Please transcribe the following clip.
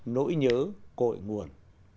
nỗi nhớ cội nguồn